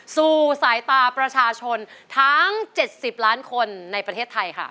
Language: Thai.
สู่สายตาประชาชนทั้ง๗๐ล้านคนในประเทศไทยค่ะ